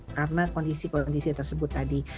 karena kondisi kondisi tersebut tadi